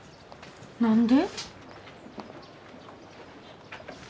何で？